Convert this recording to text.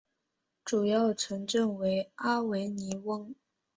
主要城镇为阿维尼翁。